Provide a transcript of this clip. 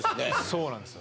そうなんです。